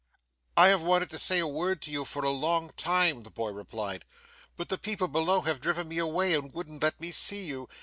'I have wanted to say a word to you, for a long time,' the boy replied, 'but the people below have driven me away and wouldn't let me see you.